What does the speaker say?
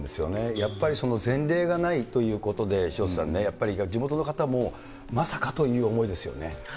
やっぱり前例がないということで、潮田さんね、やっぱり地元の方も、まさかという思いですよね。